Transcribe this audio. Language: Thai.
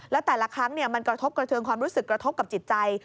แล้วแต่ละครั้งมันกระทบกระเทืองความรู้สึกกระทบกับจิตใจ